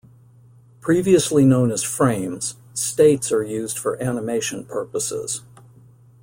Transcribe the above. Previously known as "frames", "states" are used for animation purposes.